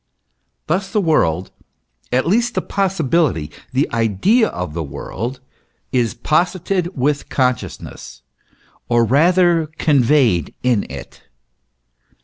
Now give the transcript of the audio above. Thus the world at least the possi bility, the idea of the world is posited with consciousness, or rather conveyed in it.